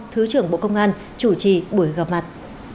thứ trưởng bộ công an chủ trì buổi gặp mặt